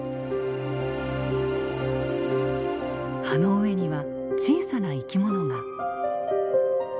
葉の上には小さな生き物が。